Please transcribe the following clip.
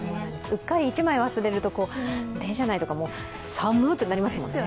うっかり１枚忘れると、電車内では、さむっとなりますよね。